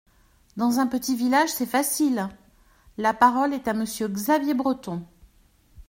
Dans un petit village, c’est facile ! La parole est à Monsieur Xavier Breton.